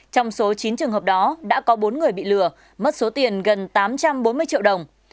trong số chín trường hợp đó đã có bốn người bị lừa mất số tiền gần tám trăm bốn mươi triệu đồng